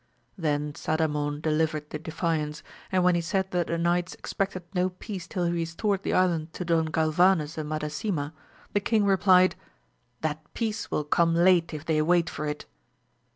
Then Sadamon delivered the defiance, and when ha said that the knights expected no peace till he restored the island to Don Galvanes and Madasima, the king replied, that peace will come late if they wait for it